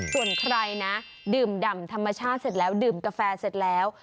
ส่วนใครนะดื่มดำธรรมชาติเสร็จแล้วดื่มกาแฟเสร็จแล้ว